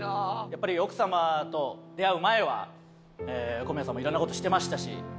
やっぱり奥様と出会う前は小宮さんも色んな事してましたし。